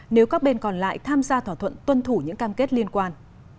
nếu các bên còn lại tham gia thỏa thuận tuân thủ những cam kết liên quan